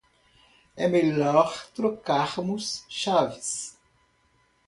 É melhor trocarmos chaves.